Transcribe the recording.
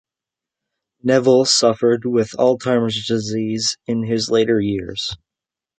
Neville suffered with Alzheimer's disease in his later years.